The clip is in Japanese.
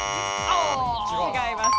違います。